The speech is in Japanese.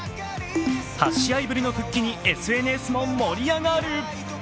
８試合ぶりの復帰にＳＮＳも盛り上がる。